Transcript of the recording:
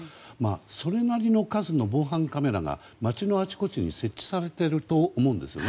それなりの数の防犯カメラが街のあちこちに設置されていると思うんです。